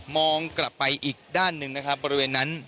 กลับไปอีกด้านหนึ่งนะครับบริเวณนั้น